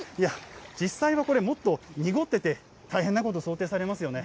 実際はこれ、もっと濁ってて、大変なこと想定されますよね。